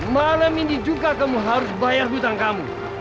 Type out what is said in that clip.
malam ini juga kamu harus bayar hutang kamu